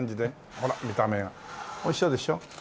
ほら見た目がおいしそうでしょ？